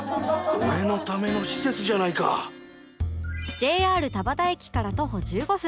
ＪＲ 田端駅から徒歩１５分